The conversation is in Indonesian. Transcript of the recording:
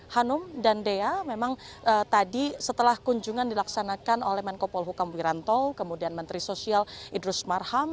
hanum dan dea memang tadi setelah kunjungan dilaksanakan oleh menko polhukam wiranto kemudian menteri sosial idrus marham